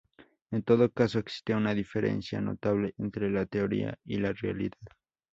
En todo caso, existe una diferencia notable entre la teoría y la realidad.